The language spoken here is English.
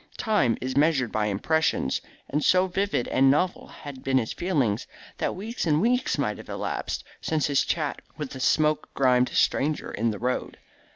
Time is measured by impressions, and so vivid and novel had been his feelings, that weeks and weeks might have elapsed since his chat with the smoke grimed stranger in the road.